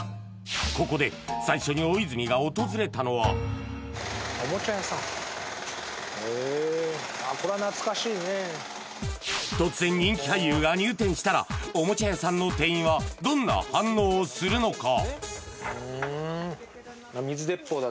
ここで大泉がへえ突然人気俳優が入店したらおもちゃ屋さんの店員はどんな反応をするのか？